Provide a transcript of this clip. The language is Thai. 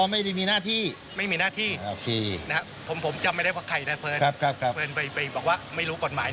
ไม่ได้มีหน้าที่นะครับผมจำไม่ได้ว่าใครนะเฟิร์นไปบอกว่าไม่รู้กฎหมาย